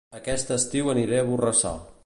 Aquest estiu aniré a Borrassà